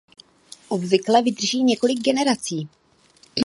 Obvykle vydrží několik generací.